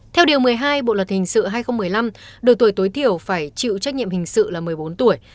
theo điều một mươi hai bộ luật hình sự hai nghìn một mươi năm độ tuổi tối thiểu phải chịu trách nhiệm hình sự là một mươi bốn tuổi